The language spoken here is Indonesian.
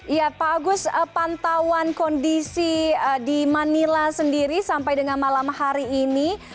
iya pak agus pantauan kondisi di manila sendiri sampai dengan malam hari ini